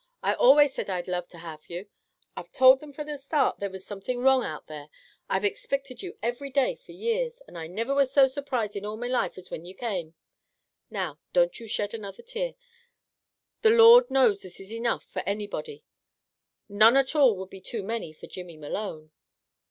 I always said I'd love to have you! I've told thim from the start there was something wrong out there! I've ixpicted you ivry day for years, and I niver was so surprised in all me life as whin you came! Now, don't you shed another tear. The Lord knows this is enough, for anybody. None at all would be too many for Jimmy Malone.